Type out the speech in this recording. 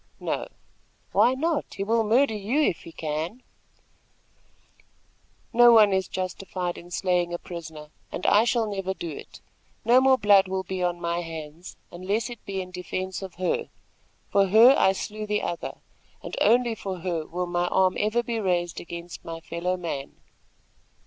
"No." "Why not? He will murder you if he can." "No one is justified in slaying a prisoner, and I shall never do it. No more blood will be on my hands, unless it be in defence of her. For her, I slew the other, and only for her will my arm ever be raised against my fellow man."